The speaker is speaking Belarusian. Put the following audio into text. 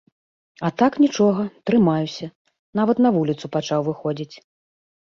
А так, нічога, трымаюся, нават на вуліцу пачаў выходзіць.